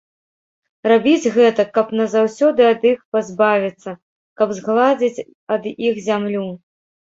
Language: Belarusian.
Рабіць гэтак, каб назаўсёды ад іх пазбавіцца, каб згладзіць ад іх зямлю.